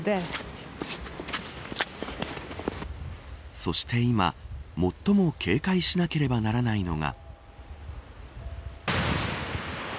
そして今、最も警戒しなければならないのが。